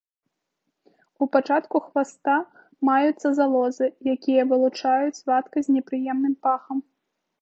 У пачатку хваста маюцца залозы, якія вылучаюць вадкасць з непрыемным пахам.